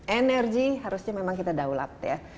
energi harusnya memang kita daulat ya